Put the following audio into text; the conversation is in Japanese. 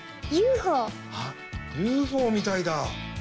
あっＵＦＯみたいだ。